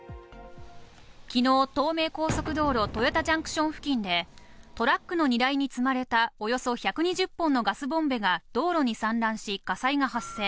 昨日、東名高速道路・豊田ジャンクション付近で、トラックの荷台に積まれたおよそ１２０本のガスボンベが道路に散乱し、火災が発生。